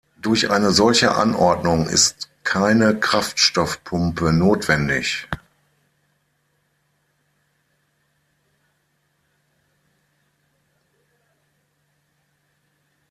Durch eine solche Anordnung ist keine Kraftstoffpumpe notwendig.